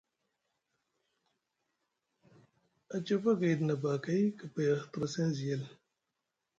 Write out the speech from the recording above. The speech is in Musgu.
A cafa gayɗi nʼabakay kapay a hitra seŋ zi yel.